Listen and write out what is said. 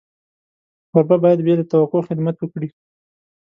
کوربه باید بې له توقع خدمت وکړي.